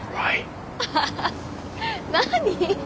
アハハッ何？